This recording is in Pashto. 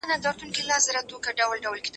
زه له سهاره د سبا لپاره د ليکلو تمرين کوم!!